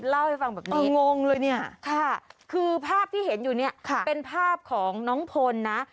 เล่าให้ฟังแบบนี้งงเลยเนี่ยคือภาพที่เห็นอยู่เนี่ยเป็นภาพของน้องพลนะ